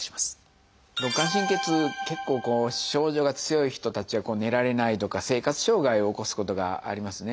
肋間神経痛結構症状が強い人たちは寝られないとか生活障害を起こすことがありますね。